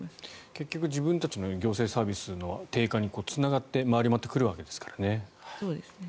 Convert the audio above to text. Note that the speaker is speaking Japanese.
結局、自分たちの行政サービスの低下につながって回り回ってくるわけですからね。